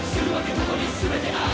ここに全てある」